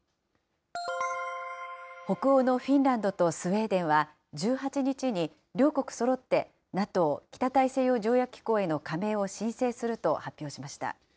北欧のフィンランドとスウェーデンは１８日に、両国そろって、ＮＡＴＯ・北大西洋条約機構への加盟を申請すると発表しました。